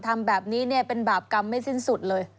ทำแบบนี้เนี่ยเป็นบาปกรรมไม่สิ้นสุดเลย